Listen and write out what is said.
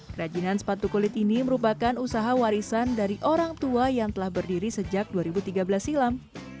kerajinan sepatu kulit ini merupakan usaha warisan dari orang tua yang telah berdiri sejak dua ribu tiga belas silam